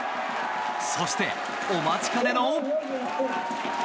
そして、お待ちかねの。